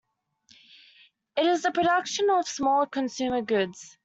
It is the production of small consumer goods.